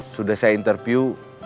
sudah saya interview